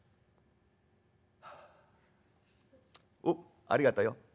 「『おっありがとよ』。